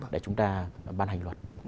để chúng ta ban hành luật